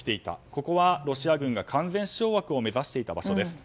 ここはロシア軍が完全掌握を目指していた場所です。